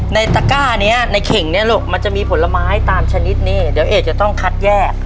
ตะก้านี้ในเข่งเนี่ยลูกมันจะมีผลไม้ตามชนิดนี่เดี๋ยวเอกจะต้องคัดแยก